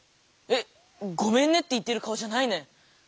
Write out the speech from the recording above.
えっ⁉「ごめんね」って言ってる顔じゃないね。